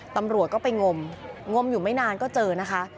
ตำรวจก็ไปงมงมอยู่ไม่นานก็เจอนะคะ